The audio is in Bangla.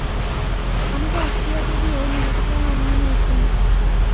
আমি তো অস্ট্রিয়াতে গিয়ে নিজেকে প্রায় মানিয়েই নিয়েছিলাম।